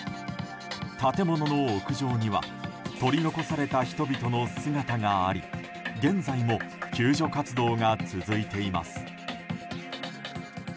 建物屋上には取り残された人々の姿があり現在も救助活動が続いています。